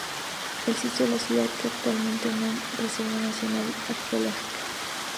El sitio de la ciudad es actualmente una Reserva Nacional de Arqueología.